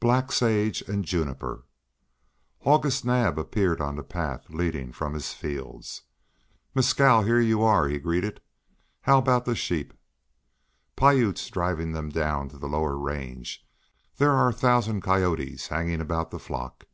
BLACK SAGE AND JUNIPER AUGUST NAAB appeared on the path leading from his fields. "Mescal, here you are," he greeted. "How about the sheep?" "Piute's driving them down to the lower range. There are a thousand coyotes hanging about the flock."